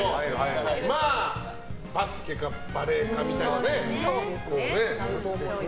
まあ、バスケかバレーかみたいなね。